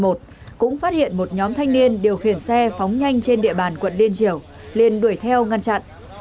trước đó tổ công tác c một chín trăm một mươi một cũng phát hiện một nhóm thanh niên điều khiển xe phóng nhanh trên địa bàn quận liên triều liền đuổi theo ngăn chặn